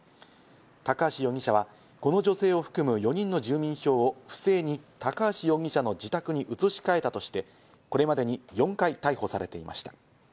高橋容疑者はこの女性を含む４人の住民票を不正に高橋容疑者の自宅に移し替えたとして、これまで４回逮捕されていました。